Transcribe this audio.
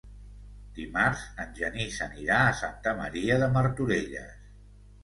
Dimarts en Genís anirà a Santa Maria de Martorelles.